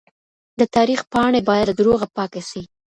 د تاريخ پاڼې بايد له دروغه پاکې سي.